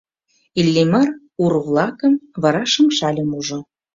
Иллимар ур-влакым, вара шыҥшальым ужо.